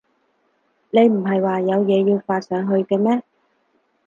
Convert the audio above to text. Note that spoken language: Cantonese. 你唔喺話有嘢要發上去嘅咩？